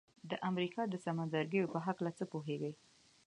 د امریکا د سمندرګیو په هکله څه پوهیږئ؟